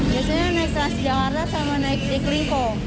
biasanya naik transjakarta sama naik siklingko